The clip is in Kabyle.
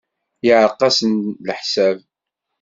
Yeɛreq-asen leḥsab.